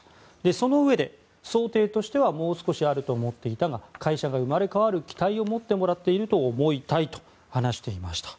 そのうえで、想定としてはもう少しあると思っていたが会社が生まれ変わる期待を持ってもらっていると思いたいと話していました。